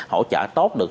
hỗ trợ tốt được